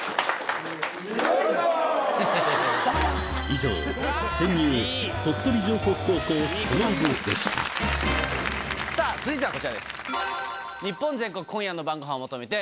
以上さぁ続いてはこちらです。